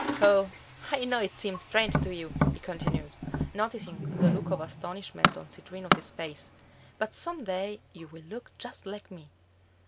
Oh, I know it seems strange to you," he continued, noticing the look of astonishment on Citrinus's face, "but some day you will look just like me.